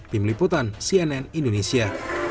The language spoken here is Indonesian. pemeliputan cnn indonesia